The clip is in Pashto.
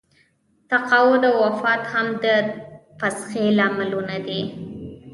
تقاعد او وفات هم د فسخې لاملونه دي.